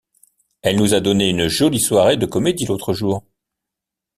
Elle nous a donné une jolie soirée de comédie l’autre jour.